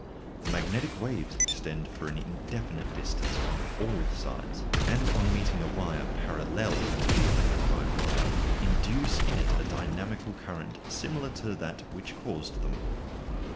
The magnetic waves extend for an indefinite distance on all sides, and on meeting a wire parallel to the electrified wire induce in it a dynamical current similar to that which caused them.